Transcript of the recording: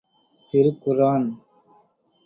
திருக் குர் ஆன்...